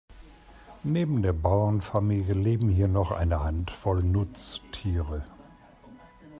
Neben der Bauernfamilie leben hier noch eine Handvoll Nutztiere.